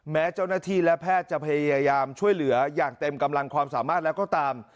แม้เจ้าหน้าที่และแพทย์จะพยายามช่วยเหลืออย่างเต็มกำลังความสามารถแล้วก็ตาม